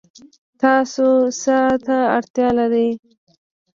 تاسو څه ته اړتیا لرئ؟